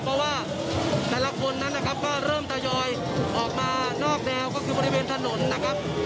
เพราะว่าแต่ละคนนั้นนะครับก็เริ่มทยอยออกมานอกแนวก็คือบริเวณถนนนะครับ